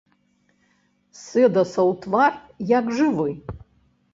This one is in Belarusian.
Сэдасаў твар як жывы.